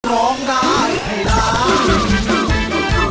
ร้องตาไอ้ตา